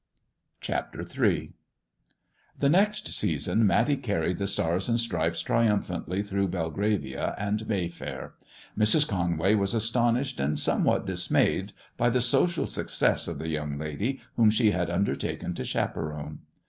CHAPTER III THE next season Matty carried the Stars and Stripes triumphantly through Belgravia and Mayfair. Mrs. Conway was astonished and somewhat dismayed by the social success of the young lady whom she had undertaken to chaperon.